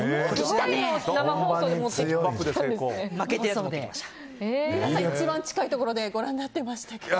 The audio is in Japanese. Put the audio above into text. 三浦さん、一番近いところでご覧になってましたけど。